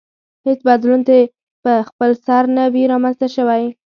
هېڅ بدلون ترې په خپلسر نه وي رامنځته شوی.